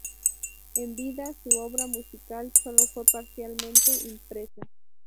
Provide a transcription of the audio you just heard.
En vida, su obra musical sólo fue parcialmente impresa.